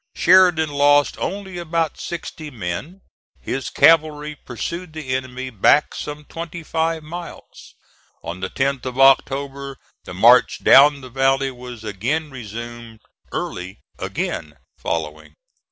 Sheridan lost only about sixty men. His cavalry pursued the enemy back some twenty five miles. On the 10th of October the march down the valley was again resumed, Early again following.